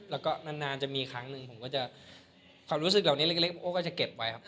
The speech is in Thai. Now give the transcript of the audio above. แล้วก็นานจะมีครั้งหนึ่งผมก็จะความรู้สึกเหล่านี้เล็กโอ้ก็จะเก็บไว้ครับ